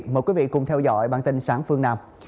mời quý vị cùng theo dõi bản tin sáng phương nam